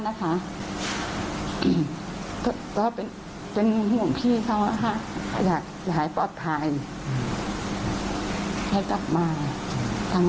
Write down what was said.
ยังไม่ต้องหากอยากอยากถ่ายหายปลอดภัยให้กลับมาด้วยกัน